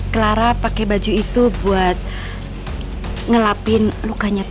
clara pakai baju itu buat ngelapin lukanya